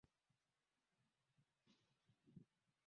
ine edwin hili ni ngumu kufahamu lakini nikuulize tu kwamba